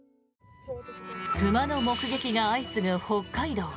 熊の目撃が相次ぐ北海道。